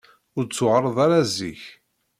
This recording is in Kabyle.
Ur d-ttuɣaleɣ ara zik.